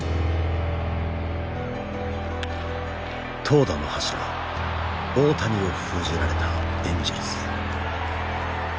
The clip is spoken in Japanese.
投打の柱大谷を封じられたエンジェルス。